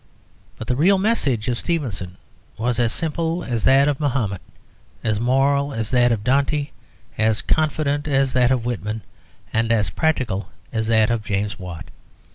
But the real message of Stevenson was as simple as that of Mohamet, as moral as that of Dante, as confident as that of Whitman, and as practical as that of James Watt.